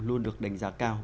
luôn được đánh giá cao